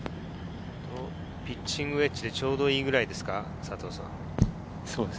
ピッチングウエッジでちょうどいいぐらいですか？